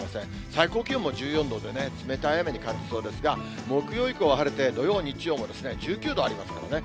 最高気温も１４度でね、冷たい雨に感じそうですが、木曜以降は晴れて、土曜、日曜も１９度ありますからね。